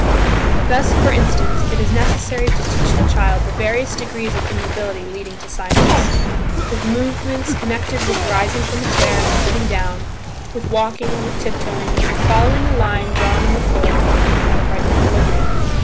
Thus, for instance, it is necessary to teach the child the various degrees of immobility leading to silence; the movements connected with rising from a chair and sitting down, with walking, with tiptoeing, with following a line drawn on the floor keeping an upright equilibrium.